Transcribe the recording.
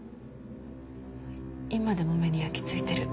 今でも目に焼き付いてる。